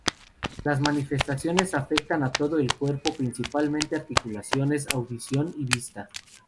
Las manifestaciones afectan a todo el cuerpo, principalmente articulaciones, audición y vista.